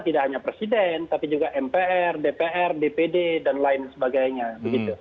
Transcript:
tidak hanya presiden tapi juga mpr dpr dpd dan lain sebagainya begitu